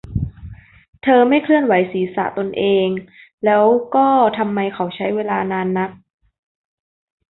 เธอไม่เคลื่อนไหวศีรษะตนเอง แล้วก็ ทำไมเขาใช้เวลานานนัก